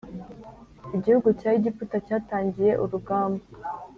igihugu cya Egiputa cyatangiye urugamba